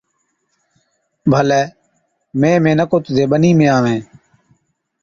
’ڀلَي، مين اِمهين نڪو تُڌي ٻنِي ۾ آوَين